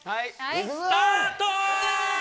スタート！